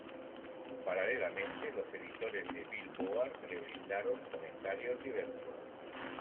Paralelamente, los editores de "Billboard" le brindaron comentarios diversos.